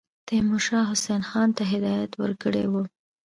تیمورشاه حسین خان ته هدایت ورکړی وو.